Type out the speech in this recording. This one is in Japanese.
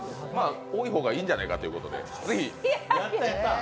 多い方がいいんじゃないかということで。